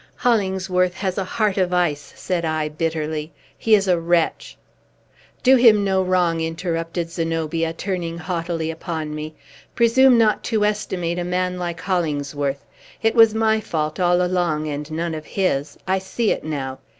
"Hollingsworth has a heart of ice!" said I bitterly. "He is a wretch!" "Do him no wrong," interrupted Zenobia, turning haughtily upon me. "Presume not to estimate a man like Hollingsworth. It was my fault, all along, and none of his. I see it now!